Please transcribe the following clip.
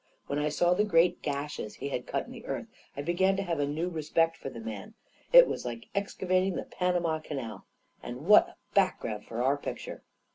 When I saw the great gashes he had cut in the earth, I began to have a new re spect for the man. It was like excavating the Pan ama Canal! And what a background for our pic ture!